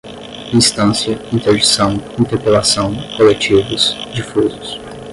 instância, interdição, interpelação, coletivos, difusos